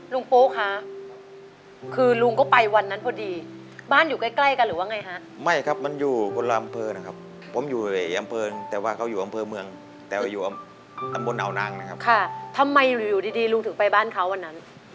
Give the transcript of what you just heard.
ลุงปุ๊กค่ะคือลุงก็ไปวันนั้นพอดีบ้านอยู่ใกล้กันหรือว่าไงฮะ